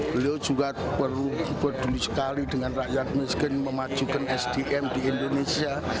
beliau juga perlu peduli sekali dengan rakyat miskin memajukan sdm di indonesia